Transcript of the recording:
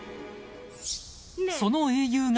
［その英雄が］